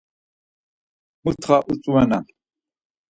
Mutxa utzomenan…